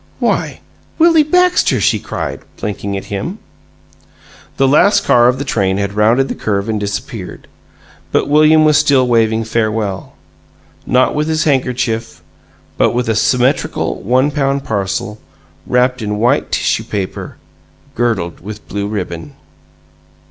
"Why, Willie Baxter!" she cried, blinking at him. The last car of the train had rounded the curve and disappeared, but William was still waving farewell not with his handkerchief, but with a symmetrical, one pound parcel, wrapped in white tissue paper, girdled with blue ribbon.